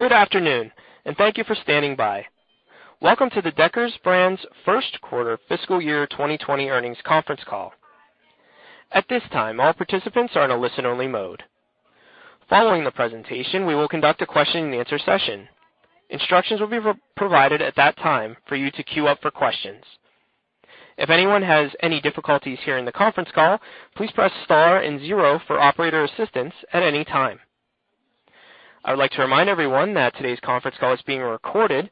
Good afternoon, and thank you for standing by. Welcome to the Deckers Brands' first quarter fiscal year 2020 earnings conference call. At this time, all participants are in a listen-only mode. Following the presentation, we will conduct a question and answer session. Instructions will be provided at that time for you to queue up for questions. If anyone has any difficulties hearing the conference call, please press star and zero for operator assistance at any time. I would like to remind everyone that today's conference call is being recorded.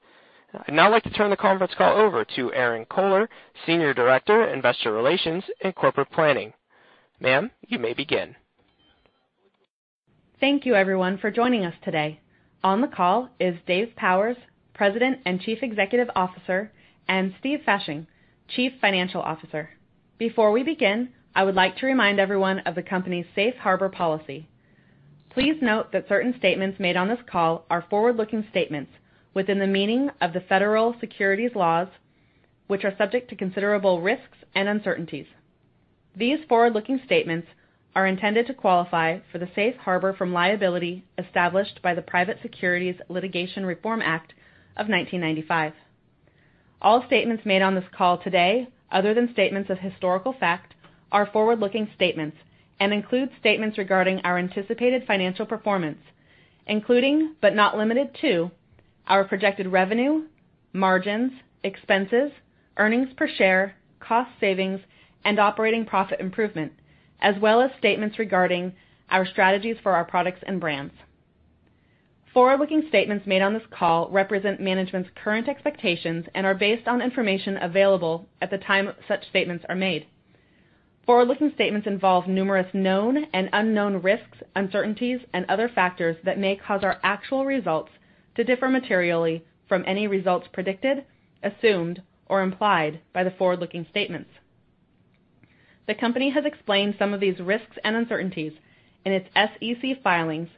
I'd now like to turn the conference call over to Erinn Kohler, Senior Director, Investor Relations and Corporate Planning. Ma'am, you may begin. Thank you everyone for joining us today. On the call is Dave Powers, President and Chief Executive Officer, and Steve Fasching, Chief Financial Officer. Before we begin, I would like to remind everyone of the company's safe harbor policy. Please note that certain statements made on this call are forward-looking statements within the meaning of the federal securities laws, which are subject to considerable risks and uncertainties. These forward-looking statements are intended to qualify for the safe harbor from liability established by the Private Securities Litigation Reform Act of 1995. All statements made on this call today, other than statements of historical fact, are forward-looking statements and include statements regarding our anticipated financial performance, including, but not limited to, our projected revenue, margins, expenses, earnings per share, cost savings, and operating profit improvement, as well as statements regarding our strategies for our products and brands. Forward-looking statements made on this call represent management's current expectations and are based on information available at the time such statements are made. Forward-looking statements involve numerous known and unknown risks, uncertainties, and other factors that may cause our actual results to differ materially from any results predicted, assumed, or implied by the forward-looking statements. The company has explained some of these risks and uncertainties in its SEC filings,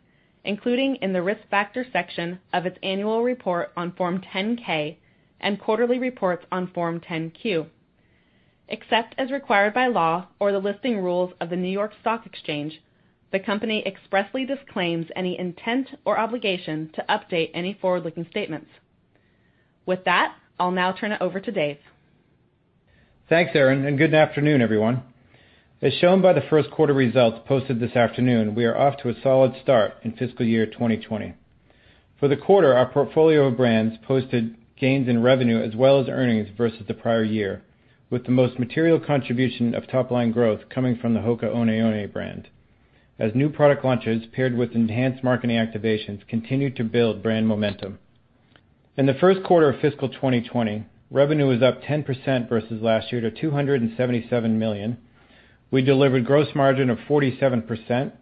including in the risk factors section of its annual report on Form 10-K and quarterly reports on Form 10-Q. Except as required by law or the listing rules of the New York Stock Exchange, the company expressly disclaims any intent or obligation to update any forward-looking statements. With that, I'll now turn it over to Dave. Thanks, Erinn, good afternoon, everyone. As shown by the first quarter results posted this afternoon, we are off to a solid start in fiscal year 2020. For the quarter, our portfolio of brands posted gains in revenue as well as earnings versus the prior year, with the most material contribution of top-line growth coming from the HOKA ONE ONE brand as new product launches paired with enhanced marketing activations continued to build brand momentum. In the first quarter of fiscal 2020, revenue was up 10% versus last year to $277 million. We delivered gross margin of 47%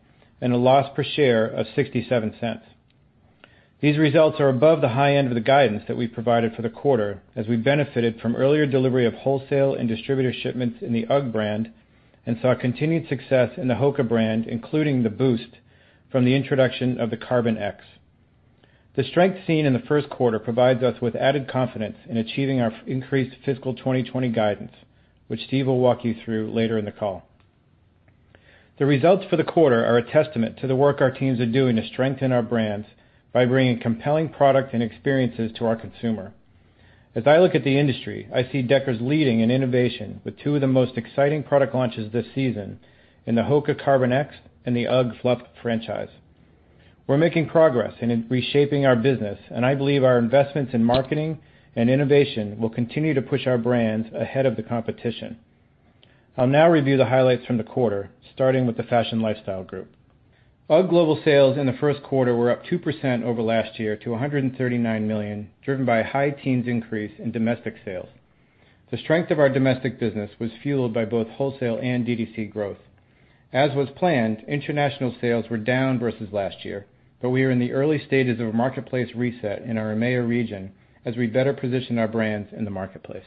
and a loss per share of $0.67. These results are above the high end of the guidance that we provided for the quarter as we benefited from earlier delivery of wholesale and distributor shipments in the UGG brand and saw continued success in the HOKA brand, including the boost from the introduction of the Carbon X. The strength seen in the first quarter provides us with added confidence in achieving our increased fiscal 2020 guidance, which Steve will walk you through later in the call. The results for the quarter are a testament to the work our teams are doing to strengthen our brands by bringing compelling product and experiences to our consumer. As I look at the industry, I see Deckers leading in innovation with two of the most exciting product launches this season in the HOKA Carbon X and the UGG Fluff franchise. We're making progress in reshaping our business, and I believe our investments in marketing and innovation will continue to push our brands ahead of the competition. I'll now review the highlights from the quarter, starting with the Fashion Lifestyle group. UGG global sales in the first quarter were up 2% over last year to $139 million, driven by a high teens increase in domestic sales. The strength of our domestic business was fueled by both wholesale and DTC growth. As was planned, international sales were down versus last year, but we are in the early stages of a marketplace reset in our EMEA region as we better position our brands in the marketplace.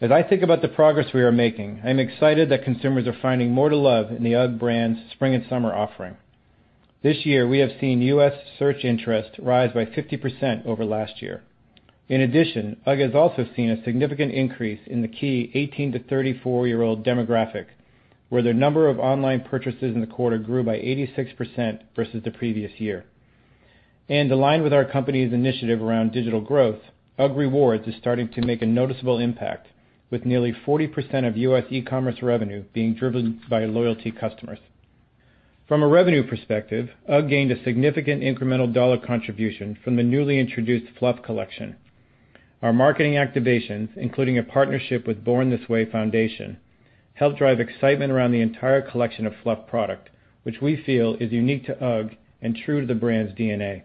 As I think about the progress we are making, I'm excited that consumers are finding more to love in the UGG brand's spring and summer offering. This year, we have seen U.S. search interest rise by 50% over last year. UGG has also seen a significant increase in the key 18 to 34-year-old demographic, where the number of online purchases in the quarter grew by 86% versus the previous year. Aligned with our company's initiative around digital growth, UGG Rewards is starting to make a noticeable impact, with nearly 40% of U.S. e-commerce revenue being driven by loyalty customers. From a revenue perspective, UGG gained a significant incremental dollar contribution from the newly introduced Fluff collection. Our marketing activations, including a partnership with Born This Way Foundation, helped drive excitement around the entire collection of Fluff product, which we feel is unique to UGG and true to the brand's DNA.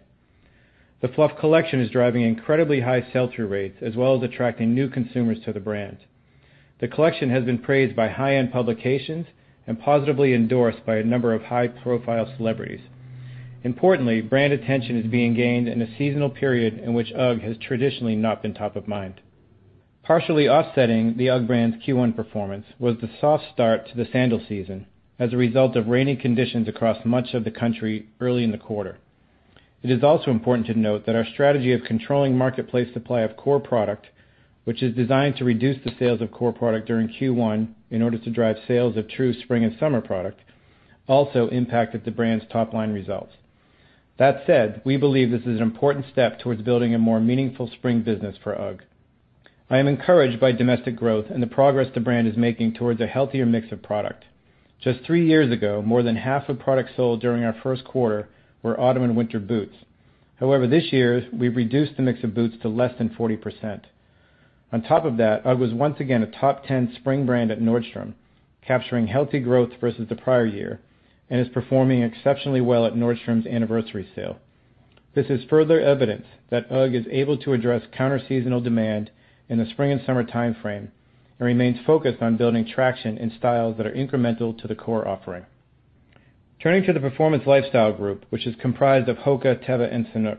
The Fluff collection is driving incredibly high sell-through rates, as well as attracting new consumers to the brand. The collection has been praised by high-end publications and positively endorsed by a number of high-profile celebrities. Importantly, brand attention is being gained in a seasonal period in which UGG has traditionally not been top of mind. Partially offsetting the UGG brand's Q1 performance was the soft start to the sandal season as a result of rainy conditions across much of the country early in the quarter. It is also important to note that our strategy of controlling marketplace supply of core product, which is designed to reduce the sales of core product during Q1 in order to drive sales of true spring and summer productAlso impacted the brand's top-line results. That said, we believe this is an important step towards building a more meaningful spring business for UGG. I am encouraged by domestic growth and the progress the brand is making towards a healthier mix of product. Just three years ago, more than half of products sold during our first quarter were autumn and winter boots. However, this year, we've reduced the mix of boots to less than 40%. On top of that, UGG was once again a top 10 spring brand at Nordstrom, capturing healthy growth versus the prior year and is performing exceptionally well at Nordstrom's anniversary sale. This is further evidence that UGG is able to address counter seasonal demand in the spring and summer time frame and remains focused on building traction in styles that are incremental to the core offering. Turning to the Performance Lifestyle group, which is comprised of HOKA, Teva, and Sanuk.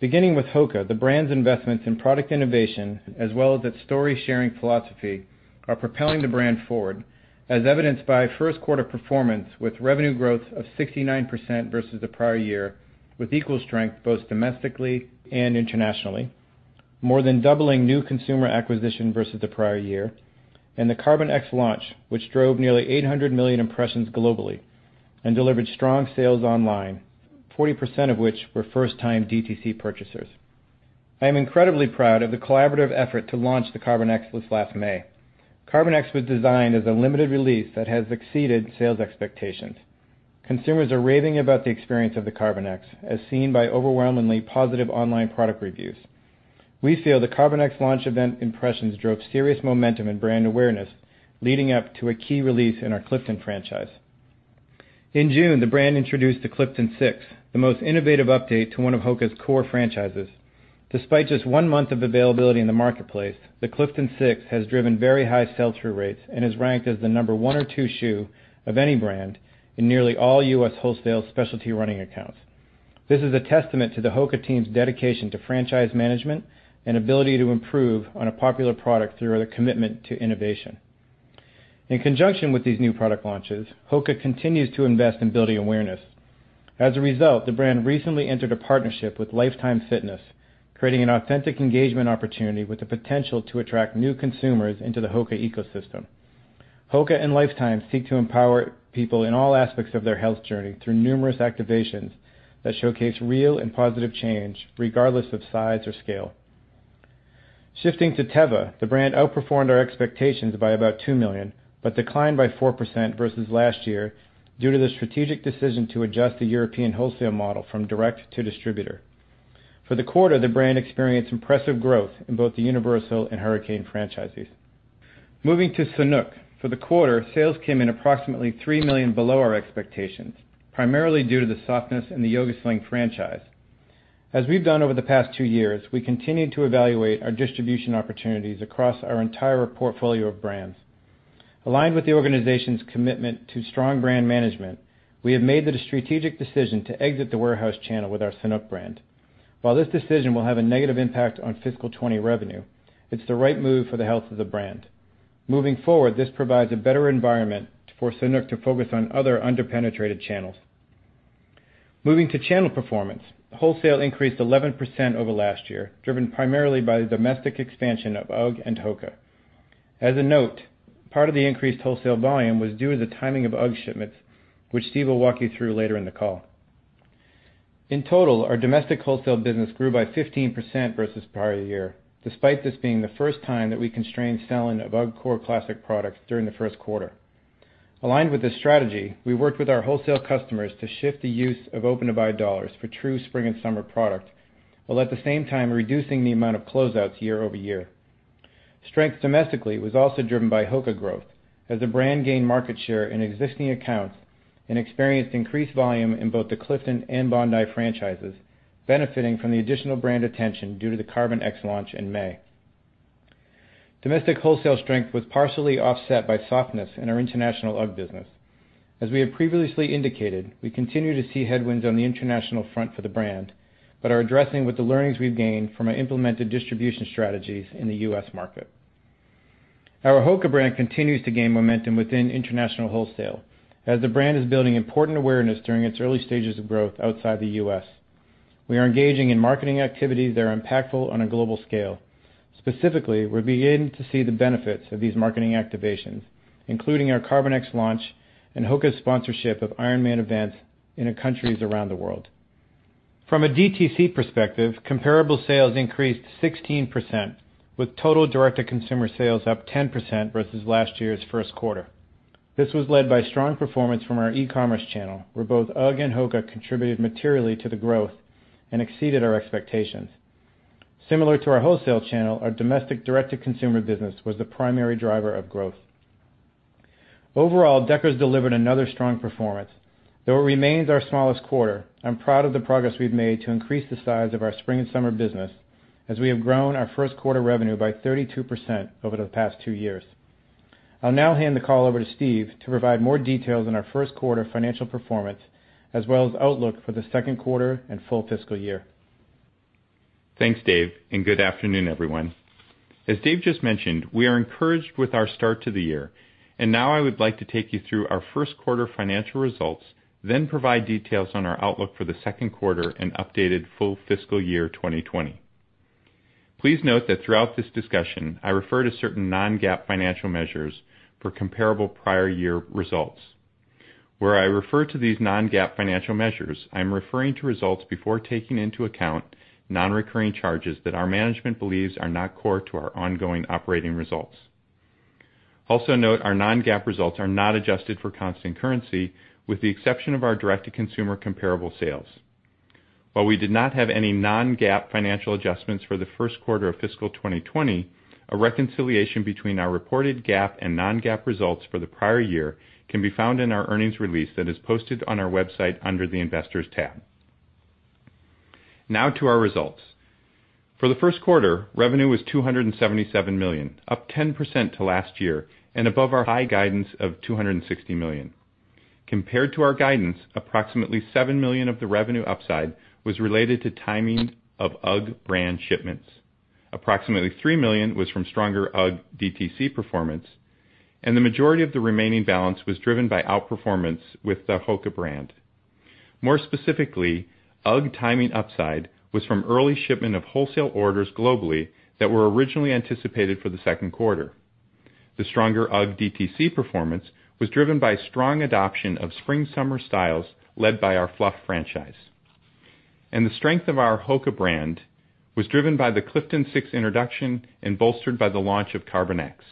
Beginning with HOKA, the brand's investments in product innovation as well as its story-sharing philosophy are propelling the brand forward, as evidenced by first quarter performance with revenue growth of 69% versus the prior year, with equal strength both domestically and internationally. More than doubling new consumer acquisition versus the prior year, and the Carbon X launch, which drove nearly 800 million impressions globally and delivered strong sales online, 40% of which were first-time DTC purchasers. I am incredibly proud of the collaborative effort to launch the Carbon X this last May. Carbon X was designed as a limited release that has exceeded sales expectations. Consumers are raving about the experience of the Carbon X, as seen by overwhelmingly positive online product reviews. We feel the Carbon X launch event impressions drove serious momentum and brand awareness leading up to a key release in our Clifton franchise. In June, the brand introduced the Clifton 6, the most innovative update to one of HOKA's core franchises. Despite just one month of availability in the marketplace, the Clifton 6 has driven very high sell-through rates and is ranked as the number one or two shoe of any brand in nearly all U.S. wholesale specialty running accounts. This is a testament to the HOKA team's dedication to franchise management and ability to improve on a popular product through their commitment to innovation. In conjunction with these new product launches, HOKA continues to invest in building awareness. As a result, the brand recently entered a partnership with Life Time, creating an authentic engagement opportunity with the potential to attract new consumers into the HOKA ecosystem. HOKA and Life Time seek to empower people in all aspects of their health journey through numerous activations that showcase real and positive change regardless of size or scale. Shifting to Teva, the brand outperformed our expectations by about $2 million, but declined by 4% versus last year due to the strategic decision to adjust the European wholesale model from direct to distributor. For the quarter, the brand experienced impressive growth in both the universal and hurricane franchises. Moving to Sanuk. For the quarter, sales came in approximately $3 million below our expectations, primarily due to the softness in the Yoga Sling franchise. As we've done over the past two years, we continue to evaluate our distribution opportunities across our entire portfolio of brands. Aligned with the organization's commitment to strong brand management, we have made the strategic decision to exit the warehouse channel with our Sanuk brand. While this decision will have a negative impact on fiscal 2020 revenue, it's the right move for the health of the brand. Moving forward, this provides a better environment for Sanuk to focus on other under-penetrated channels. Moving to channel performance. Wholesale increased 11% over last year, driven primarily by the domestic expansion of UGG and HOKA. As a note, part of the increased wholesale volume was due to the timing of UGG shipments, which Steve will walk you through later in the call. In total, our domestic wholesale business grew by 15% versus prior year, despite this being the first time that we constrained selling of UGG core classic products during the first quarter. Aligned with this strategy, we worked with our wholesale customers to shift the use of open-to-buy $ for true spring and summer product, while at the same time reducing the amount of closeouts year-over-year. Strength domestically was also driven by HOKA growth as the brand gained market share in existing accounts and experienced increased volume in both the Clifton and Bondi franchises, benefiting from the additional brand attention due to the Carbon X launch in May. Domestic wholesale strength was partially offset by softness in our international UGG business. As we have previously indicated, we continue to see headwinds on the international front for the brand, but are addressing with the learnings we've gained from our implemented distribution strategies in the U.S. market. Our HOKA brand continues to gain momentum within international wholesale as the brand is building important awareness during its early stages of growth outside the U.S. We are engaging in marketing activities that are impactful on a global scale. Specifically, we're beginning to see the benefits of these marketing activations, including our Carbon X launch and HOKA's sponsorship of IRONMAN events in the countries around the world. From a DTC perspective, comparable sales increased 16%, with total direct-to-consumer sales up 10% versus last year's first quarter. This was led by strong performance from our e-commerce channel, where both UGG and HOKA contributed materially to the growth and exceeded our expectations. Similar to our wholesale channel, our domestic direct-to-consumer business was the primary driver of growth. Overall, Deckers delivered another strong performance. Though it remains our smallest quarter, I'm proud of the progress we've made to increase the size of our spring and summer business as we have grown our first quarter revenue by 32% over the past two years. I'll now hand the call over to Steve to provide more details on our first quarter financial performance, as well as outlook for the second quarter and full fiscal year. Thanks, Dave, and good afternoon, everyone. As Dave just mentioned, we are encouraged with our start to the year, and now I would like to take you through our first quarter financial results, then provide details on our outlook for the second quarter and updated full fiscal year 2020. Please note that throughout this discussion, I refer to certain non-GAAP financial measures for comparable prior year results. Where I refer to these non-GAAP financial measures, I'm referring to results before taking into account non-recurring charges that our management believes are not core to our ongoing operating results. Also note, our non-GAAP results are not adjusted for constant currency, with the exception of our direct-to-consumer comparable sales. While we did not have any non-GAAP financial adjustments for the first quarter of fiscal 2020, a reconciliation between our reported GAAP and non-GAAP results for the prior year can be found in our earnings release that is posted on our website under the Investors tab. Now to our results. For the first quarter, revenue was $277 million, up 10% to last year, and above our high guidance of $260 million. Compared to our guidance, approximately $7 million of the revenue upside was related to timing of UGG brand shipments. Approximately $3 million was from stronger UGG DTC performance, and the majority of the remaining balance was driven by outperformance with the HOKA brand. More specifically, UGG timing upside was from early shipment of wholesale orders globally that were originally anticipated for the second quarter. The stronger UGG DTC performance was driven by strong adoption of spring/summer styles led by our Fluff franchise. The strength of our HOKA brand was driven by the Clifton 6 introduction and bolstered by the launch of Carbon X.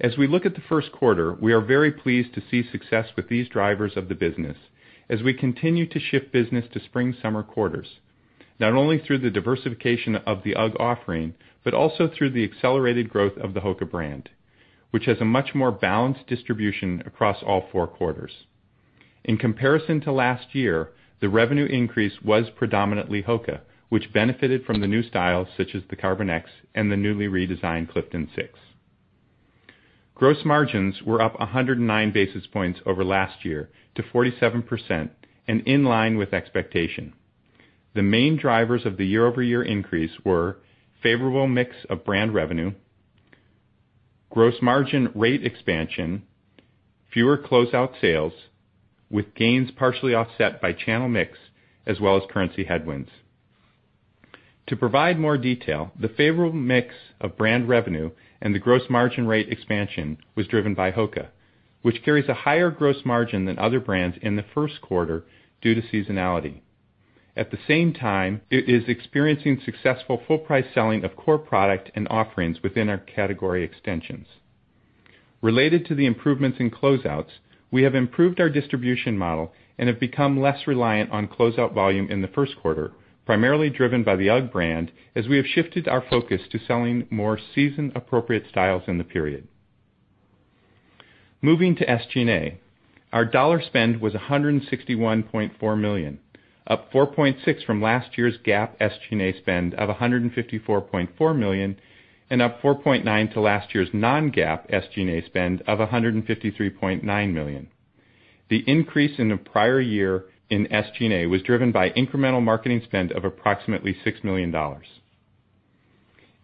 As we look at the first quarter, we are very pleased to see success with these drivers of the business as we continue to shift business to spring/summer quarters, not only through the diversification of the UGG offering, but also through the accelerated growth of the HOKA brand, which has a much more balanced distribution across all four quarters. In comparison to last year, the revenue increase was predominantly HOKA, which benefited from the new styles such as the Carbon X and the newly redesigned Clifton 6. Gross margins were up 109 basis points over last year to 47% and in line with expectation. The main drivers of the year-over-year increase were favorable mix of brand revenue, gross margin rate expansion, fewer closeout sales, with gains partially offset by channel mix as well as currency headwinds. To provide more detail, the favorable mix of brand revenue and the gross margin rate expansion was driven by HOKA, which carries a higher gross margin than other brands in the first quarter due to seasonality. At the same time, it is experiencing successful full price selling of core product and offerings within our category extensions. Related to the improvements in closeouts, we have improved our distribution model and have become less reliant on closeout volume in the first quarter, primarily driven by the UGG brand, as we have shifted our focus to selling more season-appropriate styles in the period. Moving to SG&A. Our dollar spend was $161.4 million, up 4.6% from last year's GAAP SG&A spend of $154.4 million and up 4.9% to last year's non-GAAP SG&A spend of $153.9 million. The increase in the prior year in SG&A was driven by incremental marketing spend of approximately $6 million.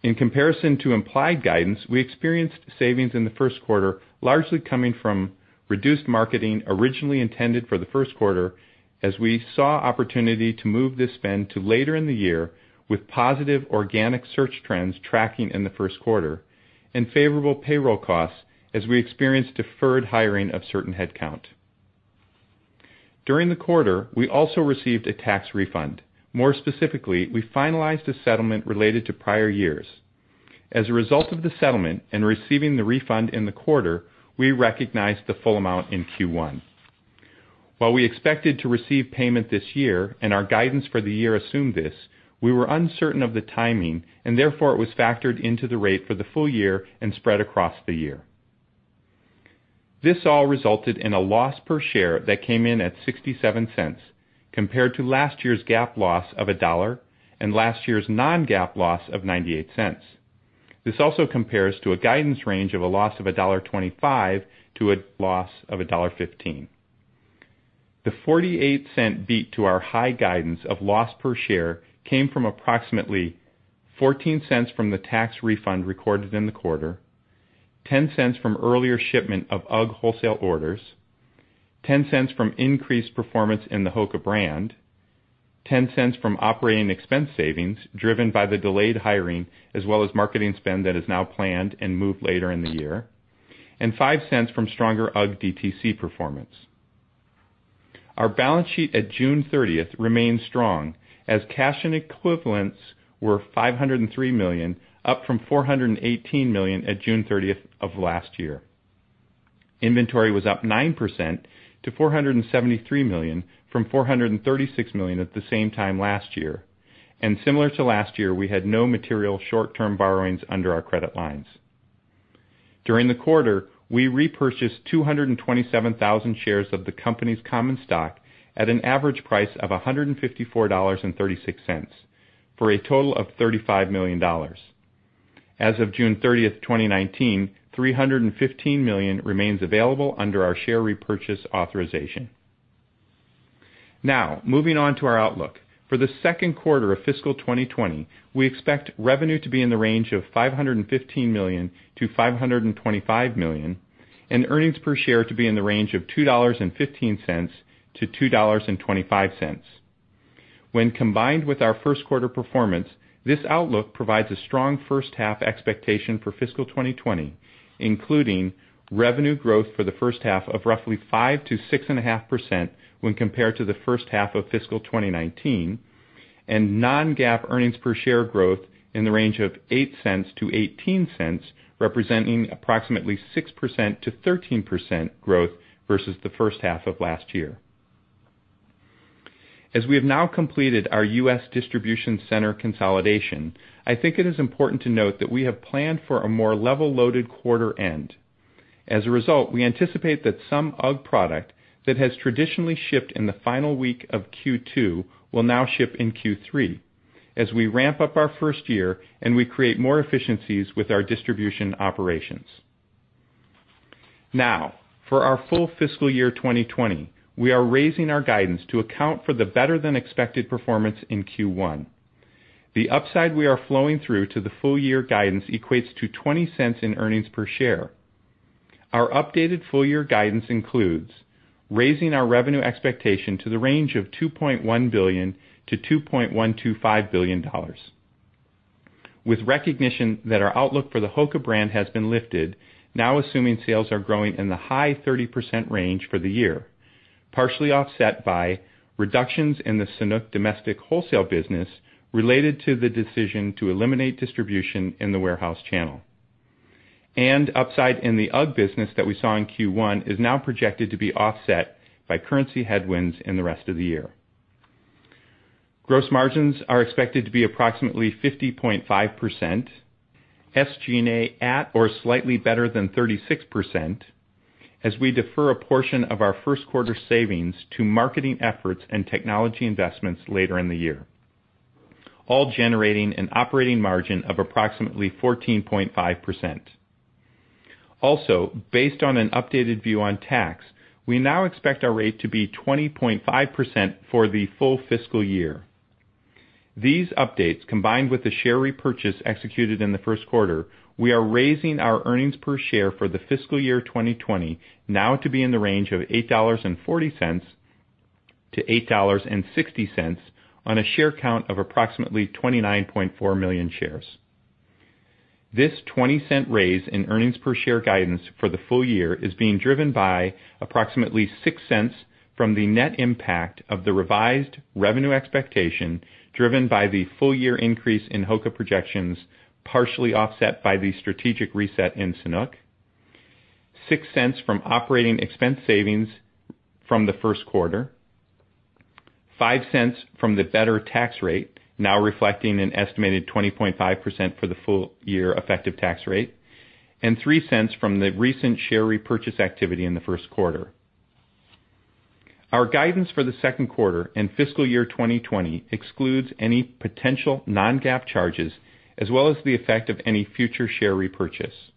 In comparison to implied guidance, we experienced savings in the first quarter, largely coming from reduced marketing originally intended for the first quarter, as we saw opportunity to move this spend to later in the year with positive organic search trends tracking in the first quarter, and favorable payroll costs as we experienced deferred hiring of certain headcount. During the quarter, we also received a tax refund. More specifically, we finalized a settlement related to prior years. As a result of the settlement and receiving the refund in the quarter, we recognized the full amount in Q1. While we expected to receive payment this year and our guidance for the year assumed this, we were uncertain of the timing, and therefore, it was factored into the rate for the full year and spread across the year. This all resulted in a loss per share that came in at $0.67 compared to last year's GAAP loss of $1.00 and last year's non-GAAP loss of $0.98. This also compares to a guidance range of a loss of $1.25 to a loss of $1.15. The $0.48 beat to our high guidance of loss per share came from approximately $0.14 from the tax refund recorded in the quarter, $0.10 from earlier shipment of UGG wholesale orders, $0.10 from increased performance in the HOKA brand, $0.10 from operating expense savings driven by the delayed hiring as well as marketing spend that is now planned and moved later in the year, and $0.05 from stronger UGG DTC performance. Our balance sheet at June 30th remains strong as cash and equivalents were $503 million, up from $418 million at June 30th of last year. Inventory was up 9% to $473 million from $436 million at the same time last year. Similar to last year, we had no material short-term borrowings under our credit lines. During the quarter, we repurchased 227,000 shares of the company's common stock at an average price of $154.36, for a total of $35 million. As of June 30, 2019, $315 million remains available under our share repurchase authorization. Now, moving on to our outlook. For the second quarter of fiscal 2020, we expect revenue to be in the range of $515 million to $525 million, and earnings per share to be in the range of $2.15 to $2.25. When combined with our first quarter performance, this outlook provides a strong first-half expectation for fiscal 2020, including revenue growth for the first half of roughly 5%-6.5% when compared to the first half of fiscal 2019, and non-GAAP earnings per share growth in the range of $0.08 to $0.18, representing approximately 6%-13% growth versus the first half of last year. We have now completed our U.S. distribution center consolidation. I think it is important to note that we have planned for a more level-loaded quarter end. We anticipate that some UGG product that has traditionally shipped in the final week of Q2 will now ship in Q3 as we ramp up our first year and we create more efficiencies with our distribution operations. For our full fiscal year 2020, we are raising our guidance to account for the better-than-expected performance in Q1. The upside we are flowing through to the full year guidance equates to $0.20 in earnings per share. Our updated full year guidance includes raising our revenue expectation to the range of $2.1 billion-$2.125 billion, with recognition that our outlook for the HOKA brand has been lifted, now assuming sales are growing in the high 30% range for the year, partially offset by reductions in the Sanuk domestic wholesale business related to the decision to eliminate distribution in the warehouse channel. Upside in the UGG business that we saw in Q1 is now projected to be offset by currency headwinds in the rest of the year. Gross margins are expected to be approximately 50.5%, SG&A at or slightly better than 36%, as we defer a portion of our first quarter savings to marketing efforts and technology investments later in the year, all generating an operating margin of approximately 14.5%. Also, based on an updated view on tax, we now expect our rate to be 20.5% for the full fiscal year. These updates, combined with the share repurchase executed in the first quarter, we are raising our earnings per share for the fiscal year 2020 now to be in the range of $8.40-$8.60 on a share count of approximately 29.4 million shares. This $0.20 raise in earnings per share guidance for the full year is being driven by approximately $0.06 from the net impact of the revised revenue expectation, driven by the full year increase in HOKA projections, partially offset by the strategic reset in Sanuk. $0.06 from operating expense savings from the first quarter. $0.05 from the better tax rate, now reflecting an estimated 20.5% for the full year effective tax rate. From the recent share repurchase activity in the first quarter. Our guidance for the second quarter and fiscal year 2020 excludes any potential non-GAAP charges, as well as the effect of any future share repurchase.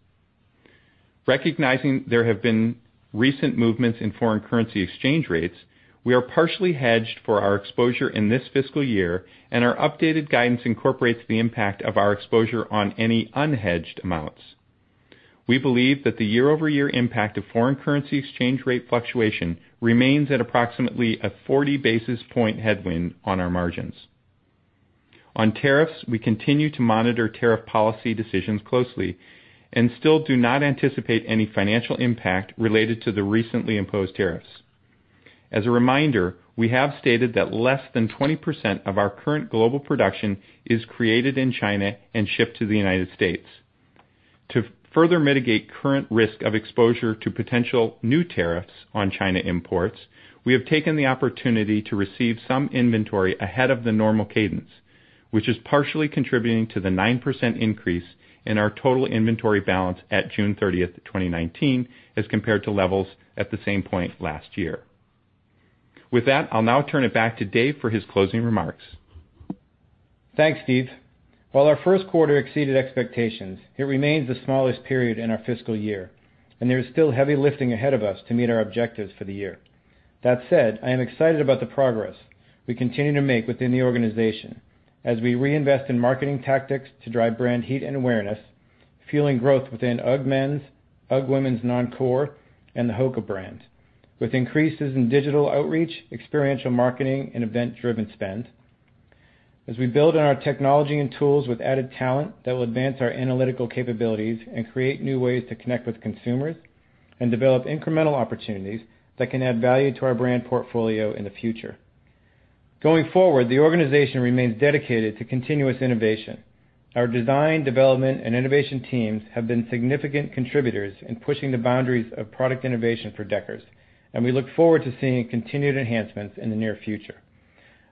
Recognizing there have been recent movements in foreign currency exchange rates, we are partially hedged for our exposure in this fiscal year, and our updated guidance incorporates the impact of our exposure on any unhedged amounts. We believe that the year-over-year impact of foreign currency exchange rate fluctuation remains at approximately a 40-basis-point headwind on our margins. On tariffs, we continue to monitor tariff policy decisions closely and still do not anticipate any financial impact related to the recently imposed tariffs. As a reminder, we have stated that less than 20% of our current global production is created in China and shipped to the U.S. To further mitigate current risk of exposure to potential new tariffs on China imports, we have taken the opportunity to receive some inventory ahead of the normal cadence, which is partially contributing to the 9% increase in our total inventory balance at June 30th, 2019, as compared to levels at the same point last year. With that, I'll now turn it back to Dave for his closing remarks. Thanks, Steve. While our first quarter exceeded expectations, it remains the smallest period in our fiscal year, and there is still heavy lifting ahead of us to meet our objectives for the year. That said, I am excited about the progress we continue to make within the organization as we reinvest in marketing tactics to drive brand heat and awareness, fueling growth within UGG men's, UGG women's non-core, and the HOKA brand, with increases in digital outreach, experiential marketing, and event-driven spend, as we build on our technology and tools with added talent that will advance our analytical capabilities and create new ways to connect with consumers and develop incremental opportunities that can add value to our brand portfolio in the future. Going forward, the organization remains dedicated to continuous innovation. Our design, development, and innovation teams have been significant contributors in pushing the boundaries of product innovation for Deckers, and we look forward to seeing continued enhancements in the near future.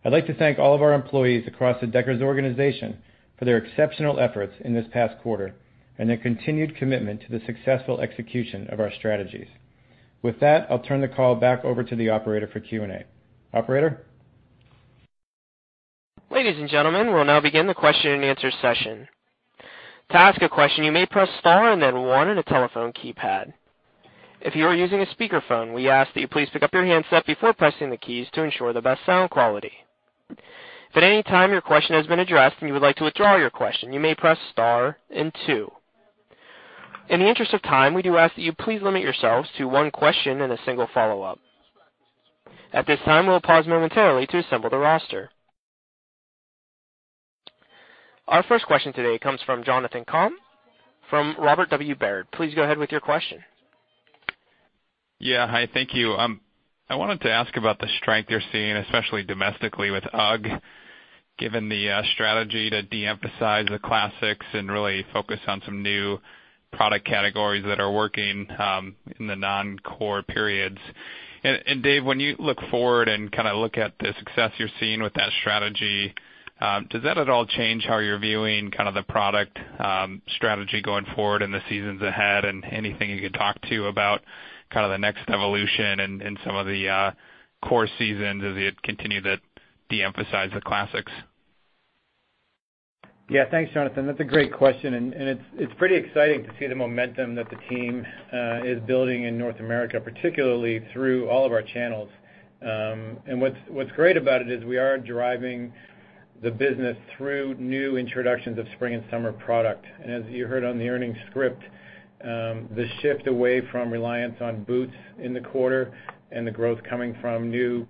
I'd like to thank all of our employees across the Deckers organization for their exceptional efforts in this past quarter and their continued commitment to the successful execution of our strategies. With that, I'll turn the call back over to the operator for Q&A. Operator? Ladies and gentlemen, we'll now begin the question and answer session. To ask a question, you may press star and then one on the telephone keypad. If you are using a speakerphone, we ask that you please pick up your handset before pressing the keys to ensure the best sound quality. If at any time your question has been addressed and you would like to withdraw your question, you may press star and two. In the interest of time, we do ask that you please limit yourselves to one question and a single follow-up. At this time, we'll pause momentarily to assemble the roster. Our first question today comes from Jonathan Komp from Robert W. Baird. Please go ahead with your question. Yeah. Hi, thank you. I wanted to ask about the strength you're seeing, especially domestically with UGG, given the strategy to de-emphasize the Originals and really focus on some new product categories that are working in the non-core periods. Dave, when you look forward and look at the success you're seeing with that strategy, does that at all change how you're viewing the product strategy going forward in the seasons ahead? Anything you could talk to about the next evolution in some of the core seasons as you continue to de-emphasize the Originals? Yeah, thanks, Jonathan. That's a great question, and it's pretty exciting to see the momentum that the team is building in North America, particularly through all of our channels. What's great about it is we are driving the business through new introductions of spring and summer product. As you heard on the earnings script, the shift away from reliance on boots in the quarter and the growth coming from new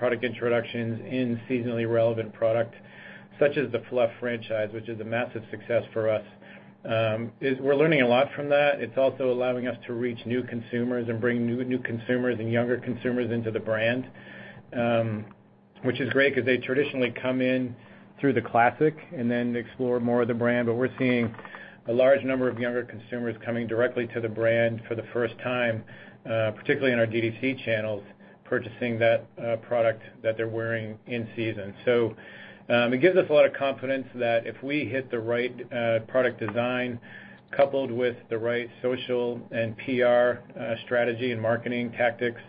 product introductions in seasonally relevant product such as the Fluff franchise, which is a massive success for us. We're learning a lot from that. It's also allowing us to reach new consumers and bring new consumers and younger consumers into the brand, which is great because they traditionally come in through the Originals and then explore more of the brand. We're seeing a large number of younger consumers coming directly to the brand for the first time, particularly in our D2C channels, purchasing that product that they're wearing in season. It gives us a lot of confidence that if we hit the right product design coupled with the right social and PR strategy and marketing tactics,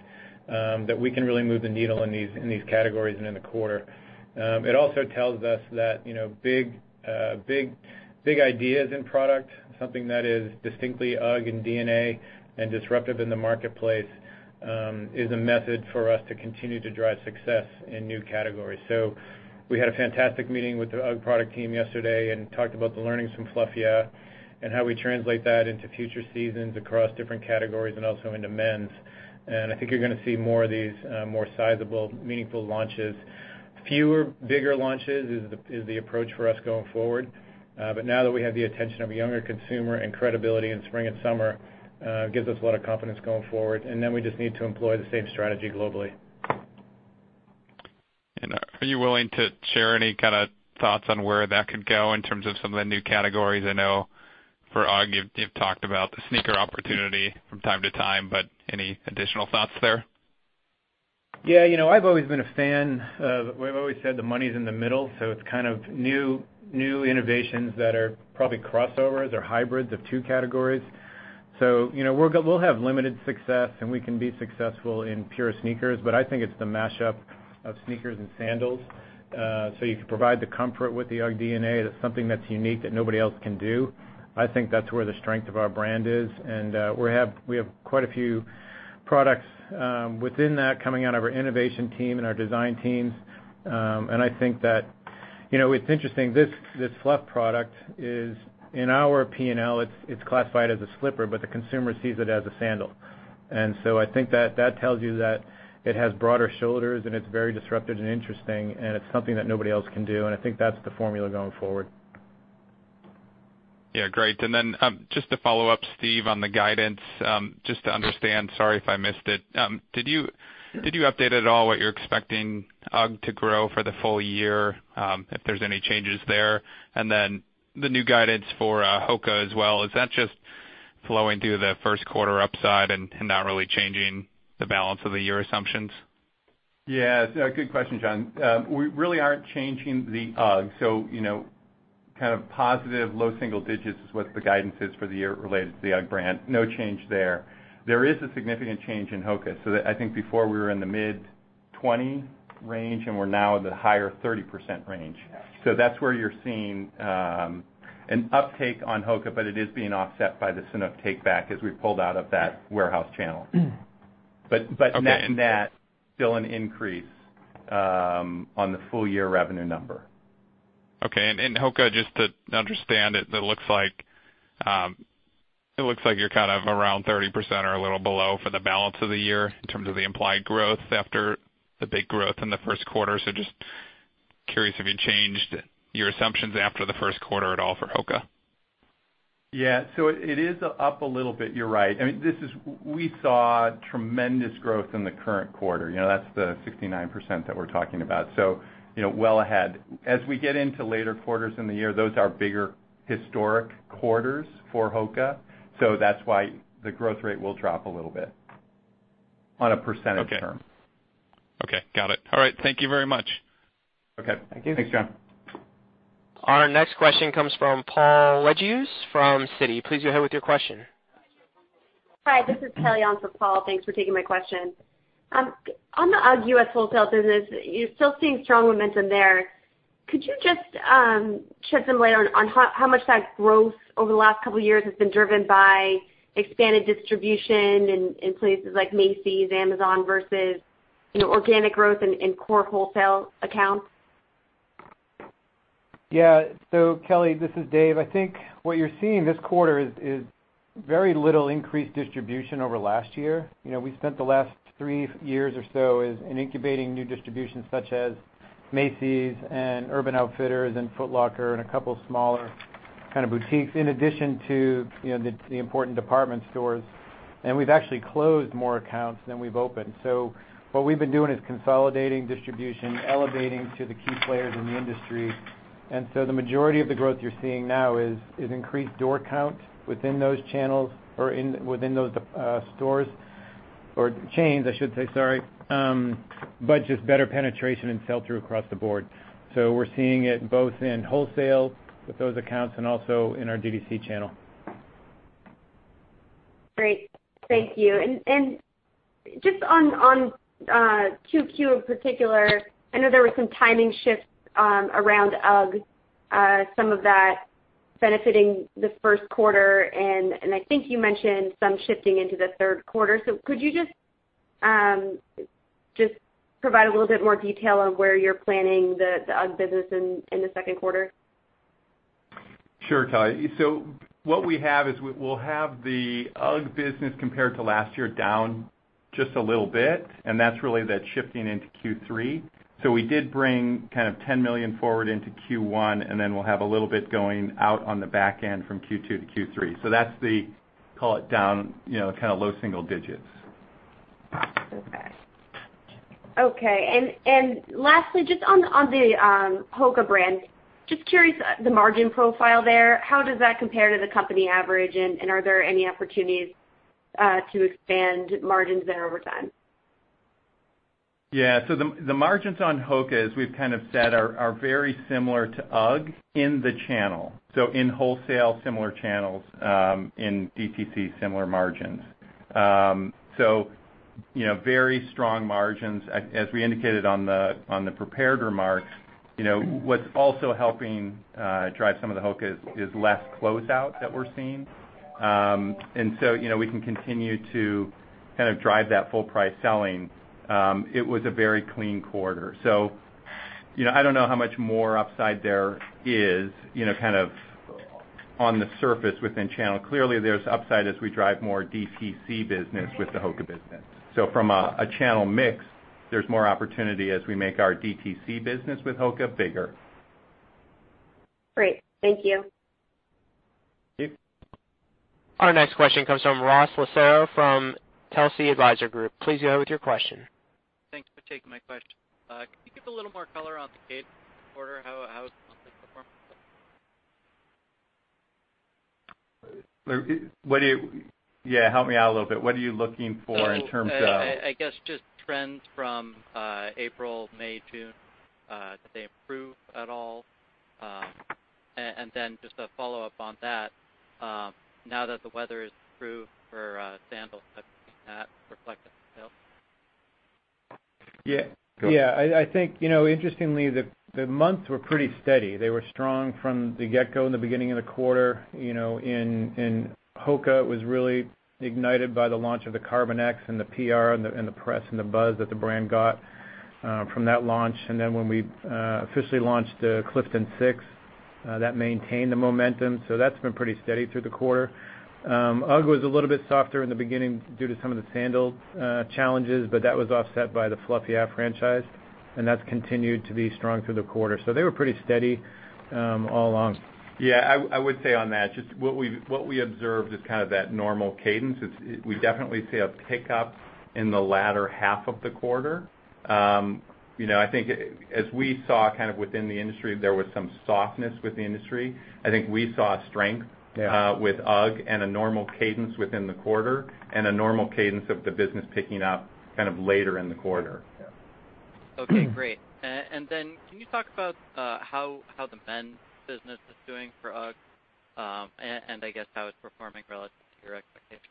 that we can really move the needle in these categories and in the quarter. It also tells us that big ideas in product, something that is distinctly UGG in DNA and disruptive in the marketplace, is a method for us to continue to drive success in new categories. We had a fantastic meeting with the UGG product team yesterday and talked about the learnings from Fluff Yeah, and how we translate that into future seasons across different categories and also into men's. I think you're going to see more of these more sizable, meaningful launches. Fewer bigger launches is the approach for us going forward. Now that we have the attention of a younger consumer and credibility in spring and summer, it gives us a lot of confidence going forward. We just need to employ the same strategy globally. Are you willing to share any thoughts on where that could go in terms of some of the new categories? I know for UGG, you've talked about the sneaker opportunity from time to time, but any additional thoughts there? Yeah. I've always been a fan of. We've always said the money's in the middle, so it's kind of new innovations that are probably crossovers or hybrids of two categories. We'll have limited success, and we can be successful in pure sneakers, but I think it's the mashup of sneakers and sandals. You can provide the comfort with the UGG DNA. That's something that's unique that nobody else can do. I think that's where the strength of our brand is, and we have quite a few products within that coming out of our innovation team and our design teams. I think that it's interesting. This Fluff product is, in our P&L, it's classified as a slipper, but the consumer sees it as a sandal. I think that tells you that it has broader shoulders and it's very disruptive and interesting and it's something that nobody else can do. I think that's the formula going forward. Yeah, great. Just to follow up, Steve, on the guidance, just to understand, sorry if I missed it. Did you update at all what you're expecting UGG to grow for the full year, if there's any changes there? The new guidance for HOKA as well, is that just flowing through the first quarter upside and not really changing the balance of the year assumptions? Yeah. Good question, John. Kind of positive low single digits is what the guidance is for the year related to the UGG brand. No change there. There is a significant change in HOKA. I think before we were in the mid 20 range, and we're now in the higher 30% range. That's where you're seeing an uptake on HOKA, but it is being offset by the Sanuk take back as we pulled out of that warehouse channel. Okay. Net, still an increase on the full year revenue number. Okay. HOKA, just to understand, it looks like you're kind of around 30% or a little below for the balance of the year in terms of the implied growth after the big growth in the first quarter. Just curious if you changed your assumptions after the first quarter at all for HOKA. Yeah. It is up a little bit, you're right. We saw tremendous growth in the current quarter. That's the 69% that we're talking about. Well ahead. As we get into later quarters in the year, those are bigger historic quarters for HOKA. That's why the growth rate will drop a little bit on a percentage term. Okay. Got it. All right. Thank you very much. Okay. Thank you. Thanks, John. Our next question comes from Paul Lejuez from Citi. Please go ahead with your question. Hi, this is Kelly on for Paul. Thanks for taking my question. On the UGG U.S. wholesale business, you're still seeing strong momentum there. Could you just shed some light on how much that growth over the last couple of years has been driven by expanded distribution in places like Macy's, Amazon versus organic growth in core wholesale accounts? Yeah. Kelly, this is Dave. I think what you're seeing this quarter is very little increased distribution over last year. We spent the last three years or so in incubating new distributions such as Macy's and Urban Outfitters and Foot Locker, and a couple smaller kind of boutiques, in addition to the important department stores. We've actually closed more accounts than we've opened. What we've been doing is consolidating distribution, elevating to the key players in the industry. The majority of the growth you're seeing now is increased door count within those channels or within those stores, or chains, I should say, sorry. Just better penetration and sell-through across the board. We're seeing it both in wholesale with those accounts and also in our DTC channel. Great. Thank you. Just on 2Q in particular, I know there were some timing shifts around UGG, some of that benefiting the first quarter, and I think you mentioned some shifting into the third quarter. Could you just provide a little bit more detail on where you're planning the UGG business in the second quarter? Sure, Kelly. What we have is, we'll have the UGG business compared to last year down just a little bit, and that's really that shifting into Q3. We did bring kind of $10 million forward into Q1, and then we'll have a little bit going out on the back end from Q2 to Q3. That's the, call it down, kind of low single digits. Okay. Lastly, just on the HOKA brand, just curious, the margin profile there, how does that compare to the company average, and are there any opportunities to expand margins there over time? The margins on HOKA, as we've kind of said, are very similar to UGG in the channel. In wholesale, similar channels, in DTC, similar margins. Very strong margins. As we indicated on the prepared remarks, what's also helping drive some of the HOKA is less closeout that we're seeing. We can continue to kind of drive that full price selling. It was a very clean quarter. I don't know how much more upside there is on the surface within channel. Clearly, there's upside as we drive more DTC business with the HOKA business. From a channel mix, there's more opportunity as we make our DTC business with HOKA bigger. Great. Thank you. Thank you. Our next question comes from Ross Licero from Telsey Advisory Group. Please go ahead with your question. Thanks for taking my question. Can you give a little more color on the cadence quarter? How it's performed? Yeah, help me out a little bit. What are you looking for in terms of? I guess just trends from April, May, June. Did they improve at all? Just a follow-up on that. Now that the weather has improved for sandals, has that reflected in sales? Yeah. I think, interestingly, the months were pretty steady. They were strong from the get-go in the beginning of the quarter. In HOKA, it was really ignited by the launch of the Carbon X and the PR and the press and the buzz that the brand got from that launch. When we officially launched the Clifton 6, that maintained the momentum. That's been pretty steady through the quarter. UGG was a little bit softer in the beginning due to some of the sandal challenges, but that was offset by the Fluff Yeah franchise, and that's continued to be strong through the quarter. They were pretty steady all along. Yeah, I would say on that, just what we observed is kind of that normal cadence. We definitely see a pickup in the latter half of the quarter. I think as we saw kind of within the industry, there was some softness with the industry. I think we saw strength. Yeah with UGG and a normal cadence within the quarter, and a normal cadence of the business picking up kind of later in the quarter. Yeah. Okay, great. Can you talk about how the men's business is doing for UGG? I guess how it's performing relative to your expectations?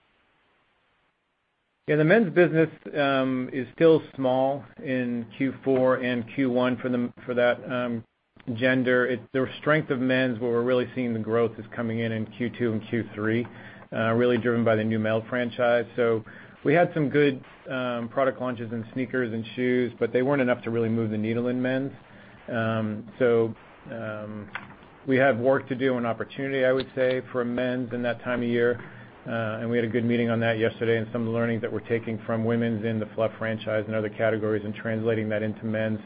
Yeah, the men's business is still small in Q4 and Q1 for that gender. The strength of men's, where we're really seeing the growth, is coming in Q2 and Q3, really driven by the Neumel franchise. We had some good product launches in sneakers and shoes, but they weren't enough to really move the needle in men's. We have work to do and opportunity, I would say, for men's in that time of year. We had a good meeting on that yesterday and some of the learnings that we're taking from women's in the Fluff franchise and other categories and translating that into men's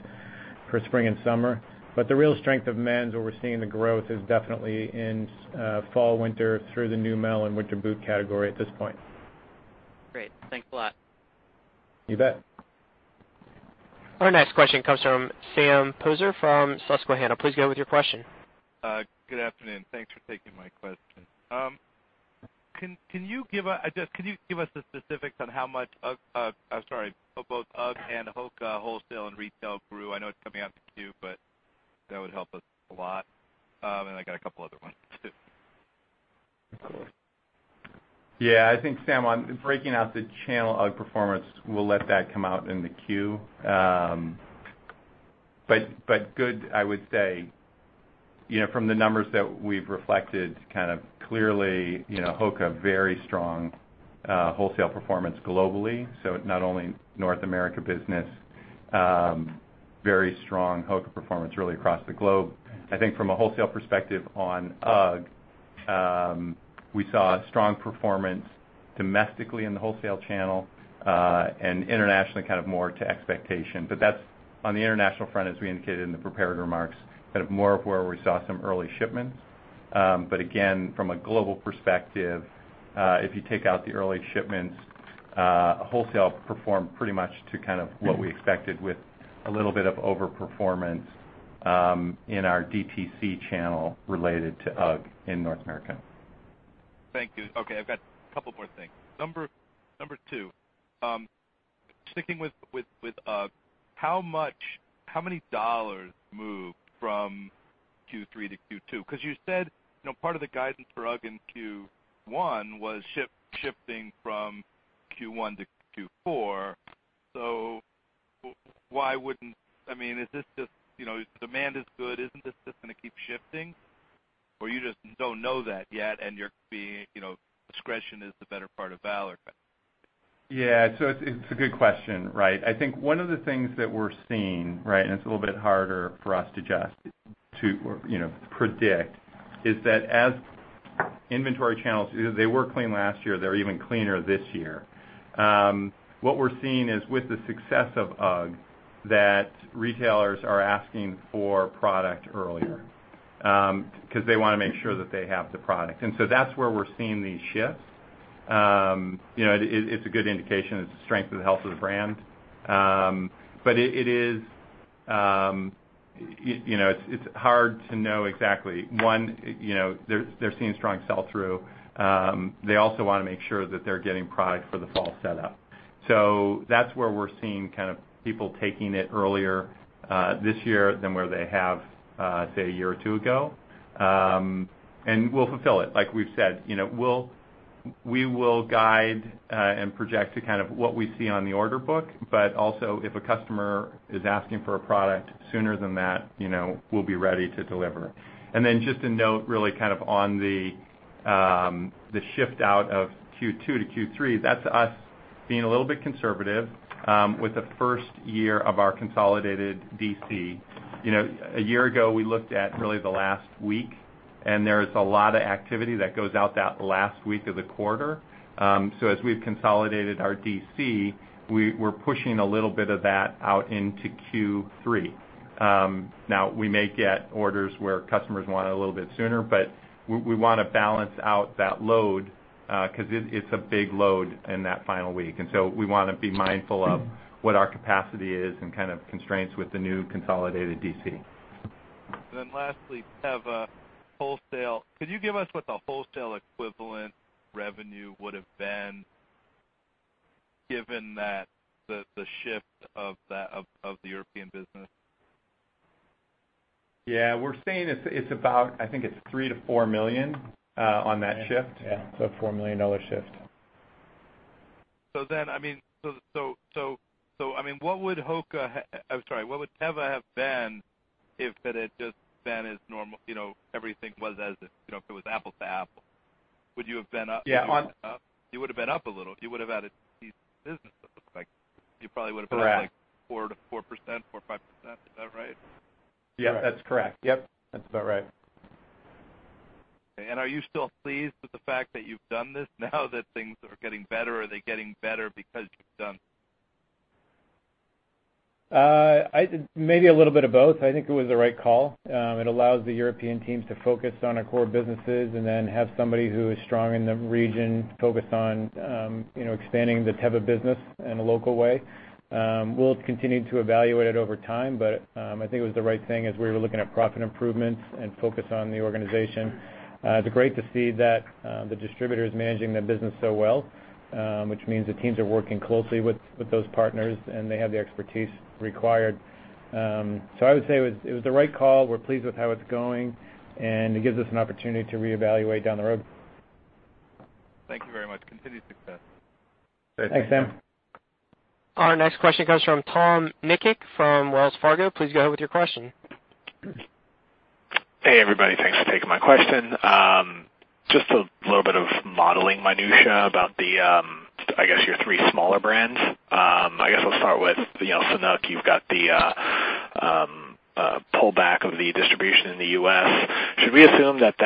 for spring and summer. The real strength of men's, where we're seeing the growth, is definitely in fall/winter through the Neumel and winter boot category at this point. Great. Thanks a lot. You bet. Our next question comes from Sam Poser from Susquehanna. Please go ahead with your question. Good afternoon. Thanks for taking my question. Can you give us the specifics on how much both UGG and HOKA wholesale and retail grew? I know it's coming out in Q2, but that would help us a lot. I got a couple other ones too. Yeah, I think Sam, on breaking out the channel UGG performance, we'll let that come out in the Q. Good, I would say, from the numbers that we've reflected kind of clearly, HOKA very strong wholesale performance globally. Not only North America business. Very strong HOKA performance really across the globe. I think from a wholesale perspective on UGG, we saw strong performance domestically in the wholesale channel, and internationally, kind of more to expectation. That's on the international front, as we indicated in the prepared remarks, kind of more of where we saw some early shipments. Again, from a global perspective, if you take out the early shipments, wholesale performed pretty much to kind of what we expected with a little bit of over-performance, in our DTC channel related to UGG in North America. Thank you. Okay, I've got a couple more things. Number 2, sticking with UGG, how many dollars moved from Q3 to Q2? You said part of the guidance for UGG in Q1 was shifting from Q1 to Q4. If demand is good, isn't this just going to keep shifting? You just don't know that yet, and discretion is the better part of valor? It's a good question, right? I think one of the things that we're seeing, right, and it's a little bit harder for us to predict, is that as inventory channels, they were clean last year, they're even cleaner this year. What we're seeing is with the success of UGG, that retailers are asking for product earlier, because they want to make sure that they have the product. That's where we're seeing these shifts. It's a good indication. It's the strength of the health of the brand. It's hard to know exactly. One, they're seeing strong sell-through. They also want to make sure that they're getting product for the fall setup. That's where we're seeing people taking it earlier this year than where they have, say, a year or two ago. We'll fulfill it. Like we've said, we will guide, project to kind of what we see on the order book. Also, if a customer is asking for a product sooner than that, we'll be ready to deliver. Then just a note, really, on the shift out of Q2 to Q3, that's us being a little bit conservative, with the first year of our consolidated DC. A year ago, we looked at really the last week, there's a lot of activity that goes out that last week of the quarter. As we've consolidated our DC, we're pushing a little bit of that out into Q3. Now, we may get orders where customers want it a little bit sooner, we want to balance out that load, because it's a big load in that final week. We want to be mindful of what our capacity is and constraints with the new consolidated DC. Lastly, Teva wholesale. Could you give us what the wholesale equivalent revenue would've been given the shift of the European business? Yeah. We're saying it's about, I think it's $3 million-$4 million on that shift. Yeah. It's a $4 million shift. What would Teva have been if it had just been as normal, if it was apples to apples? Would you have been up? Yeah. You would've been up a little. You would've added business, it looks like. You probably would've been up. Correct like 4% to 5%, is that right? Yeah, that's correct. Yep. That's about right. Okay. Are you still pleased with the fact that you've done this now that things are getting better? Are they getting better because you've done this? Maybe a little bit of both. I think it was the right call. It allows the European teams to focus on our core businesses and then have somebody who is strong in the region focus on expanding the Teva business in a local way. We'll continue to evaluate it over time, but I think it was the right thing as we were looking at profit improvements and focus on the organization. It's great to see that the distributor is managing the business so well, which means the teams are working closely with those partners, and they have the expertise required. I would say it was the right call. We're pleased with how it's going, and it gives us an opportunity to reevaluate down the road. Thank you very much. Continued success. Thanks, Sam. Thanks. Our next question comes from Tom Nikic from Wells Fargo. Please go ahead with your question. Hey, everybody. Thanks for taking my question. Just a little bit of modeling minutia about, I guess, your three smaller brands. I guess I'll start with Sanuk. You've got the pullback of the distribution in the U.S. Should we assume that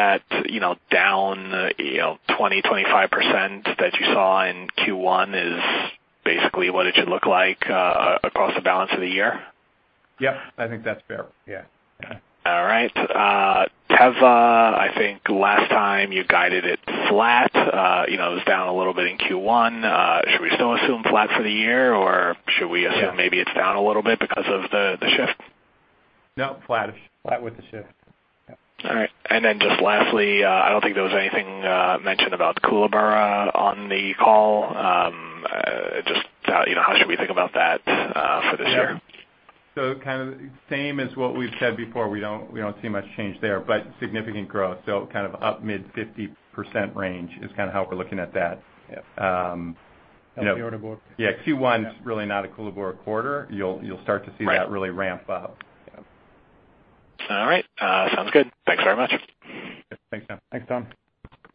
down 20%-25% that you saw in Q1 is basically what it should look like across the balance of the year? Yep. I think that's fair. Yeah. All right. Teva, I think last time you guided it flat. It was down a little bit in Q1. Should we still assume flat for the year? Yeah maybe it's down a little bit because of the shift? No. Flat with the shift. Yep. All right. And then just lastly, I don't think there was anything mentioned about Koolaburra on the call. Just how should we think about that for this year? Kind of same as what we've said before, we don't see much change there, but significant growth. Up mid-50% range is how we're looking at that. That's the order book. Q1's really not a Koolaburra quarter. You'll start to see that really ramp up. All right. Sounds good. Thanks very much. Thanks, Tom.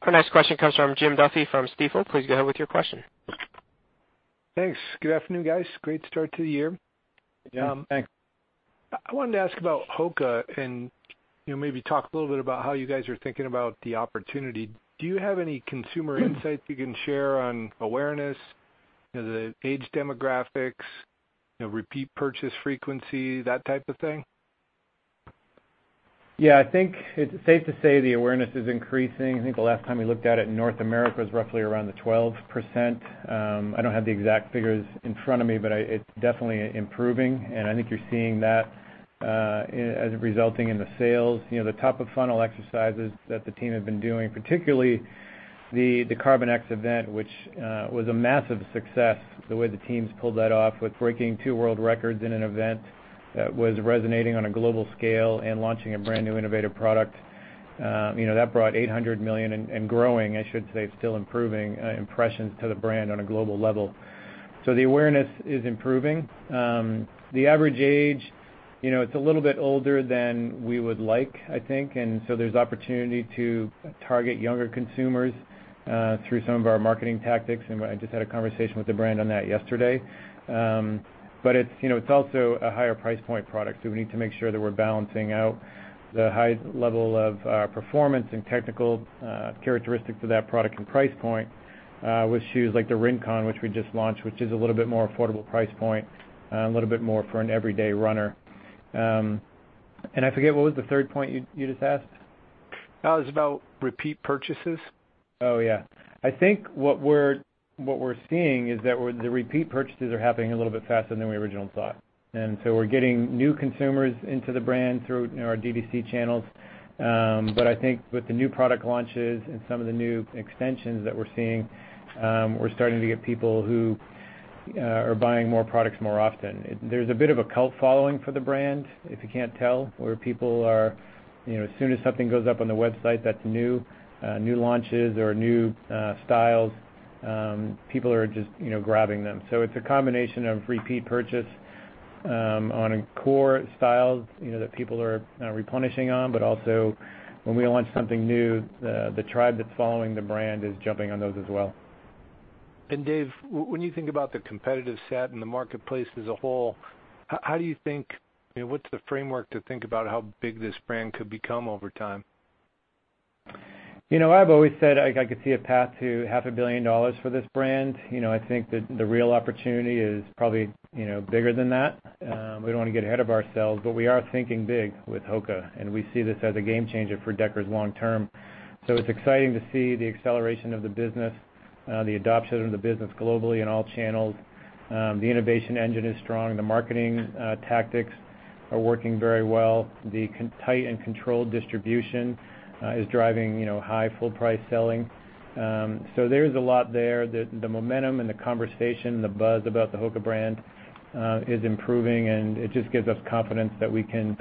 Our next question comes from Jim Duffy from Stifel. Please go ahead with your question. Thanks. Good afternoon, guys. Great start to the year. Yeah, thanks. I wanted to ask about HOKA and maybe talk a little bit about how you guys are thinking about the opportunity. Do you have any consumer insights you can share on awareness, the age demographics, repeat purchase frequency, that type of thing? Yeah. I think it's safe to say the awareness is increasing. I think the last time we looked at it, North America was roughly around the 12%. I don't have the exact figures in front of me, it's definitely improving, and I think you're seeing that as resulting in the sales. The top-of-funnel exercises that the team have been doing, particularly the Carbon X event, which was a massive success, the way the teams pulled that off with breaking two world records in an event that was resonating on a global scale and launching a brand-new innovative product. That brought 800 million and growing, I should say, still improving, impressions to the brand on a global level. The awareness is improving. The average age, it's a little bit older than we would like, I think. There's opportunity to target younger consumers through some of our marketing tactics, and I just had a conversation with the brand on that yesterday. It's also a higher price point product, so we need to make sure that we're balancing out the high level of performance and technical characteristics of that product and price point with shoes like the Rincon, which we just launched, which is a little bit more affordable price point, a little bit more for an everyday runner. I forget, what was the third point you just asked? It was about repeat purchases. Yeah. I think what we're seeing is that the repeat purchases are happening a little bit faster than we originally thought. We're getting new consumers into the brand through our DTC channels. I think with the new product launches and some of the new extensions that we're seeing, we're starting to get people who are buying more products more often. There's a bit of a cult following for the brand, if you can't tell, where people are, as soon as something goes up on the website that's new launches or new styles, people are just grabbing them. It's a combination of repeat purchase on core styles that people are replenishing on, but also when we launch something new, the tribe that's following the brand is jumping on those as well. Dave, when you think about the competitive set and the marketplace as a whole, what's the framework to think about how big this brand could become over time? I've always said I could see a path to half a billion dollars for this brand. I think that the real opportunity is probably bigger than that. We don't want to get ahead of ourselves, but we are thinking big with HOKA, and we see this as a game changer for Deckers long term. It's exciting to see the acceleration of the business, the adoption of the business globally in all channels. The innovation engine is strong. The marketing tactics are working very well. The tight and controlled distribution is driving high, full price selling. There's a lot there. The momentum and the conversation, the buzz about the HOKA brand is improving, and it just gives us confidence that we can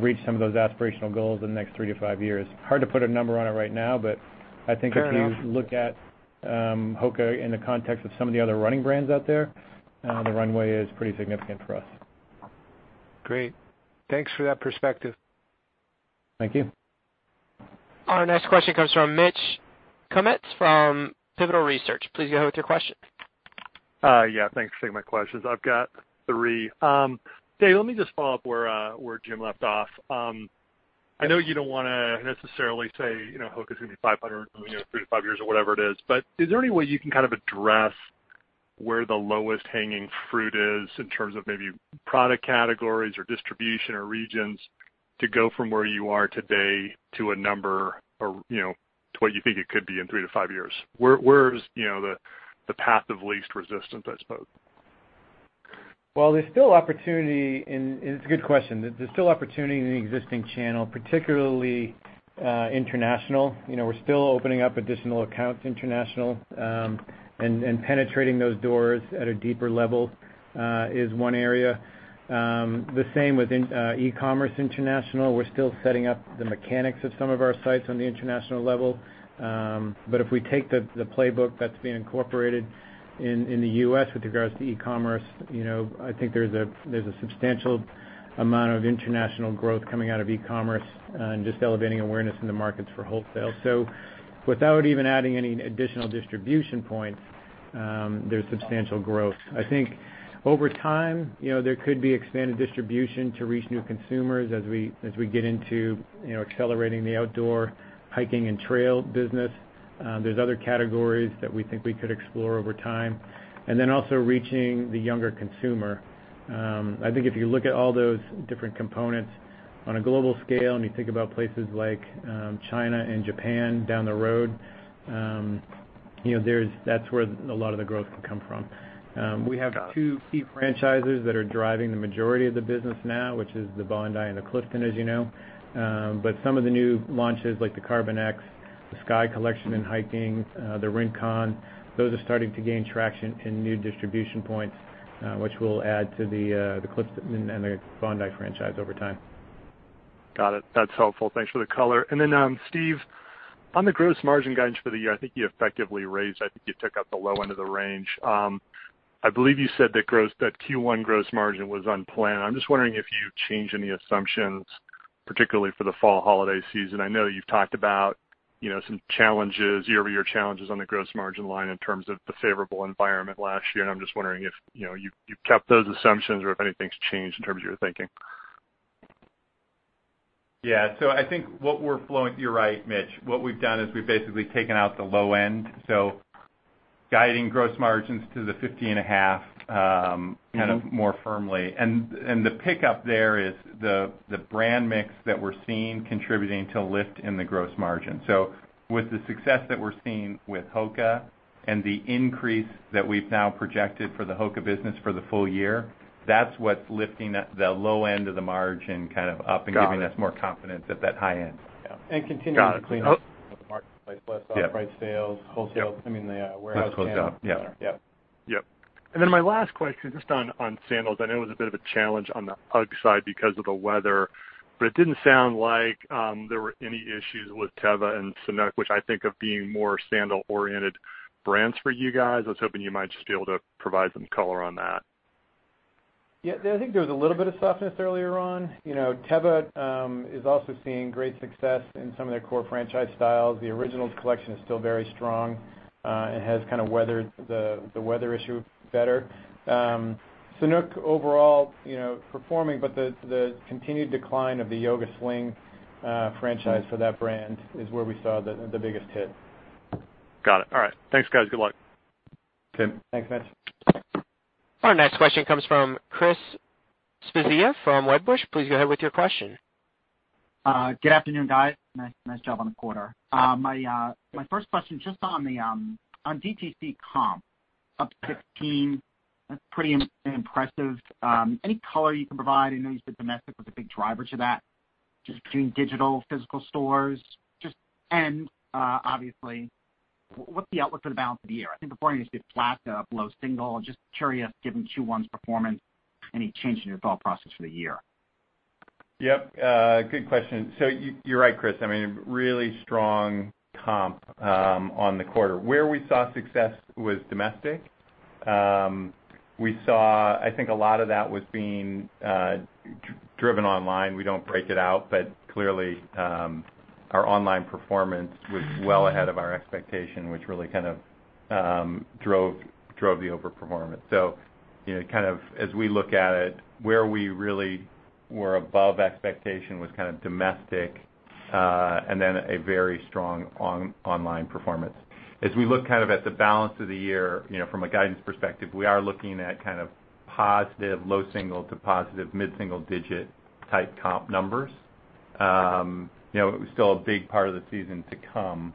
reach some of those aspirational goals in the next three to five years. Hard to put a number on it right now, but I think if you look at HOKA in the context of some of the other running brands out there, the runway is pretty significant for us. Great. Thanks for that perspective. Thank you. Our next question comes from Mitch Kummetz from Pivotal Research. Please go ahead with your question. Yeah, thanks for taking my questions. I've got three. Dave, let me just follow up where Jim left off. I know you don't want to necessarily say HOKA is going to be $500 in three to five years or whatever it is there any way you can kind of address where the lowest hanging fruit is in terms of maybe product categories or distribution or regions to go from where you are today to a number or to what you think it could be in three to five years? Where is the path of least resistance, I suppose? It's a good question. There's still opportunity in the existing channel, particularly international. We're still opening up additional accounts international, and penetrating those doors at a deeper level is one area. The same with e-commerce international. We're still setting up the mechanics of some of our sites on the international level. If we take the playbook that's being incorporated in the U.S. with regards to e-commerce, I think there's a substantial amount of international growth coming out of e-commerce and just elevating awareness in the markets for wholesale. Without even adding any additional distribution points, there's substantial growth. I think over time, there could be expanded distribution to reach new consumers as we get into accelerating the outdoor hiking and trail business. There's other categories that we think we could explore over time. Also reaching the younger consumer. I think if you look at all those different components on a global scale, you think about places like China and Japan down the road, that's where a lot of the growth can come from. We have two key franchises that are driving the majority of the business now, which is the Bondi and the Clifton, as you know. Some of the new launches, like the Carbon X, the SKY collection in hiking, the Rincon, those are starting to gain traction in new distribution points, which will add to the Clifton and the Bondi franchise over time. Got it. That's helpful. Thanks for the color. Steve, on the gross margin guidance for the year, I think you took out the low end of the range. I believe you said that Q1 gross margin was on plan. I'm just wondering if you changed any assumptions, particularly for the fall holiday season. I know you've talked about some year-over-year challenges on the gross margin line in terms of the favorable environment last year. I'm just wondering if you've kept those assumptions or if anything's changed in terms of your thinking. Yeah. I think you're right, Mitch. What we've done is we've basically taken out the low end, so guiding gross margins to the 50.5% more firmly. The pickup there is the brand mix that we're seeing contributing to lift in the gross margin. With the success that we're seeing with HOKA and the increase that we've now projected for the HOKA business for the full year, that's what's lifting the low end of the margin up and giving us more confidence at that high end. Continuing to clean up the marketplace. Less off-price sales, wholesale, I mean the warehouse sales. Less closeout. Yeah. Yep. My last question, just on sandals. I know it was a bit of a challenge on the UGG side because of the weather. It didn't sound like there were any issues with Teva and Sanuk, which I think of being more sandal-oriented brands for you guys. I was hoping you might just be able to provide some color on that. Yeah, I think there was a little bit of softness earlier on. Teva is also seeing great success in some of their core franchise styles. The Originals collection is still very strong and has weathered the weather issue better. Sanuk, overall, performing, but the continued decline of the Yoga Sling franchise for that brand is where we saw the biggest hit. Got it. All right. Thanks, guys. Good luck. Okay. Thanks, Mitch. Our next question comes from Chris Svezia from Wedbush. Please go ahead with your question. Good afternoon, guys. Nice job on the quarter. My first question, just on DTC comp, up 15, that's pretty impressive. Any color you can provide? I know you said domestic was a big driver to that, just between digital, physical stores. Obviously, what's the outlook for the balance of the year? I think the point is flat to up low single. Just curious, given Q1's performance, any change in your thought process for the year? Yep. Good question. You're right, Chris, I mean, really strong comp on the quarter. Where we saw success was domestic. We saw, I think a lot of that was being driven online. We don't break it out, clearly, our online performance was well ahead of our expectation, which really drove the overperformance. As we look at it, where we really were above expectation was domestic, and then a very strong online performance. As we look at the balance of the year, from a guidance perspective, we are looking at positive low single to positive mid-single digit type comp numbers. Still a big part of the season to come,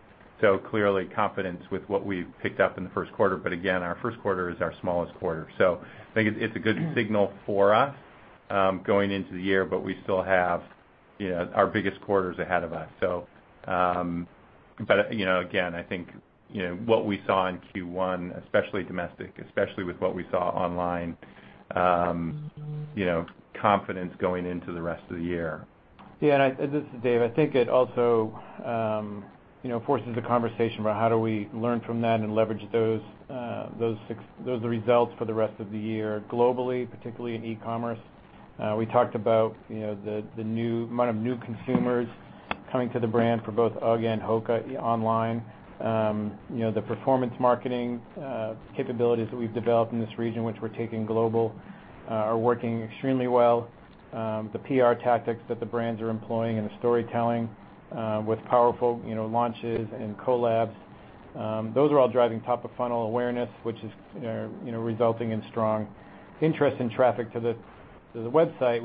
clearly confidence with what we've picked up in the first quarter, again, our first quarter is our smallest quarter. I think it's a good signal for us going into the year, but we still have our biggest quarters ahead of us. Again, I think, what we saw in Q1, especially domestic, especially with what we saw online, confidence going into the rest of the year. This is Dave. I think it also forces a conversation about how do we learn from that and leverage those results for the rest of the year globally, particularly in e-commerce. We talked about the amount of new consumers coming to the brand for both UGG and HOKA online. The performance marketing capabilities that we've developed in this region, which we're taking global, are working extremely well. The PR tactics that the brands are employing and the storytelling with powerful launches and collabs, those are all driving top-of-funnel awareness, which is resulting in strong interest in traffic to the website.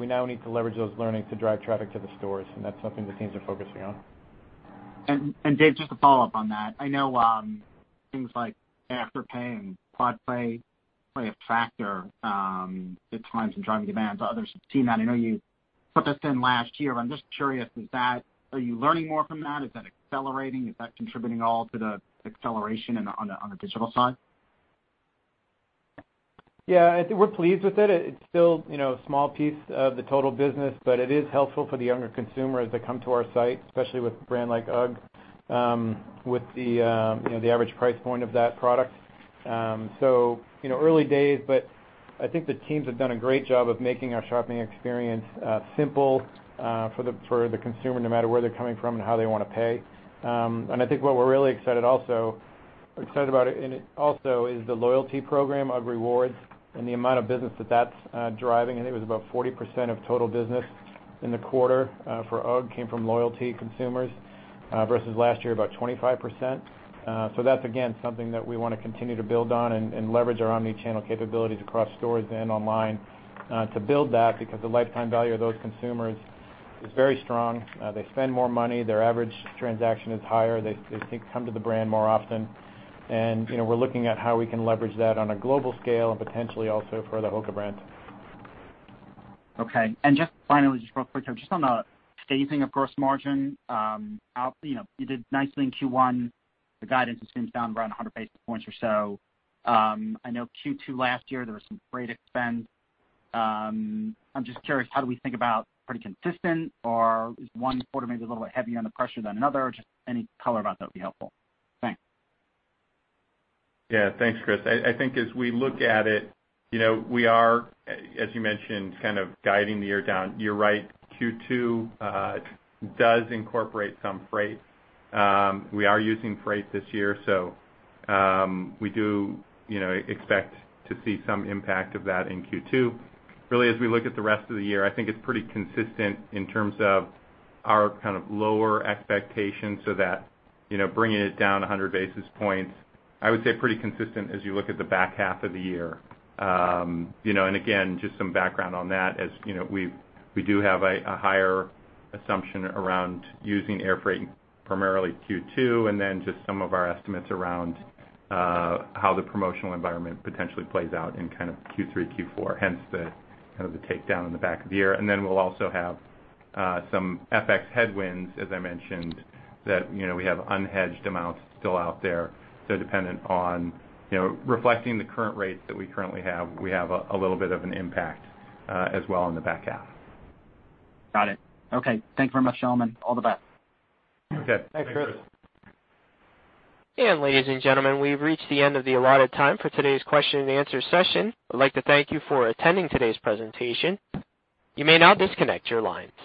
That's something the teams are focusing on. Dave, just to follow up on that. I know things like Afterpay and QuadPay play a factor at times in driving demand to others. I've seen that. I know you put this in last year, but I'm just curious, are you learning more from that? Is that accelerating? Is that contributing all to the acceleration on the digital side? Yeah, I think we're pleased with it. It's still a small piece of the total business, but it is helpful for the younger consumers that come to our site, especially with a brand like UGG, with the average price point of that product. Early days, but I think the teams have done a great job of making our shopping experience simple for the consumer, no matter where they're coming from and how they want to pay. I think what we're really excited about also is the loyalty program, UGG Rewards, and the amount of business that that's driving. It was about 40% of total business in the quarter for UGG came from loyalty consumers, versus last year, about 25%. That's, again, something that we want to continue to build on and leverage our omni-channel capabilities across stores and online to build that because the lifetime value of those consumers is very strong. They spend more money. Their average transaction is higher. They come to the brand more often. We're looking at how we can leverage that on a global scale and potentially also for the HOKA brand. Okay. Just finally, just real quick, just on the staging of gross margin. You did nicely in Q1. The guidance seems down around 100 basis points or so. I know Q2 last year, there was some freight expense. I'm just curious, how do we think about pretty consistent or is one quarter maybe a little bit heavier on the pressure than another? Just any color about that would be helpful. Thanks. Thanks, Chris. I think as we look at it, we are, as you mentioned, kind of guiding the year down. You're right, Q2 does incorporate some freight. We are using freight this year, we do expect to see some impact of that in Q2. Really, as we look at the rest of the year, I think it's pretty consistent in terms of our lower expectations, that bringing it down 100 basis points, I would say pretty consistent as you look at the back half of the year. Again, just some background on that, as we do have a higher assumption around using airfreight, primarily Q2, and then just some of our estimates around how the promotional environment potentially plays out in Q3, Q4, hence the takedown in the back of the year. Then we'll also have some FX headwinds, as I mentioned, that we have unhedged amounts still out there. Dependent on reflecting the current rates that we currently have, we have a little bit of an impact as well in the back half. Got it. Okay. Thanks very much, gentlemen. All the best. Okay. Thanks, Chris. Ladies and gentlemen, we've reached the end of the allotted time for today's question and answer session. I'd like to thank you for attending today's presentation. You may now disconnect your lines.